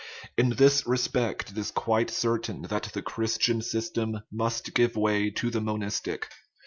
In this respect it is quite certain that the Chris tian system must give way to the monistic.